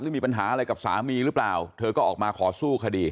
มีปัญหาอะไรกับสามีหรือเปล่าเธอก็ออกมาขอสู้คดี